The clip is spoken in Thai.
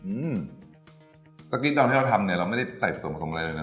อืมสกี้ตอนที่เราทำเนี่ยเราไม่ได้ใส่ผสมผสมอะไรเลยนะ